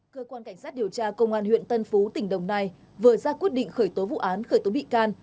cơ quan cảnh sát điều tra công an huyện tân phú tỉnh đồng nai vừa ra quyết định khởi tố vụ án khởi tố bị can